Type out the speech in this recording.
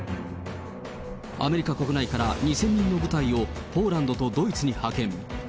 アメリカ国内から２０００人の部隊を、ポーランドとドイツに派遣。